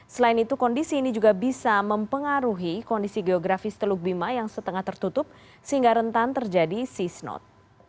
selain itu kondisi ini juga bisa mempengaruhi kondisi geografis teluk bima yang setengah tertutup sehingga rentan terjadi sea snot